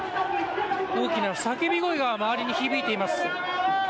大きな叫び声が周りに響いています。